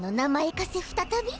貸せ再び！？